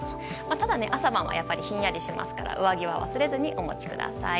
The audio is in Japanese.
ただ、朝晩はひんやりしますから上着は忘れずにお持ちください。